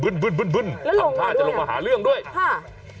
แล้วลงมาด้วยอ่ะทำผ้าจะลงมาหาเรื่องด้วยฮะ